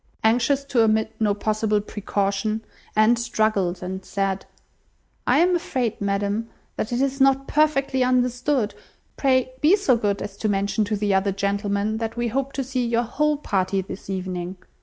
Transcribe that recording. Anxious to omit no possible precaution, Anne struggled, and said— "I am afraid, ma'am, that it is not perfectly understood. Pray be so good as to mention to the other gentlemen that we hope to see your whole party this evening.